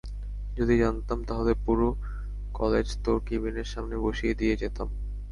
যদি জানতাম, তাহলে পুরো কলেজ তোর কেবিনের সামনে বসিয়ে দিয়ে যেতাম।